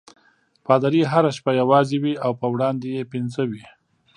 پادري هره شپه یوازې وي او په وړاندې یې پنځه وي.